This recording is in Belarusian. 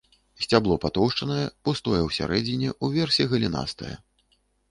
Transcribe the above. Сцябло патоўшчанае, пустое ўсярэдзіне, уверсе галінастае.